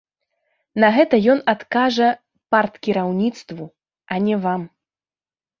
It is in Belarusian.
На гэта ён адкажа парткіраўніцтву, а не вам!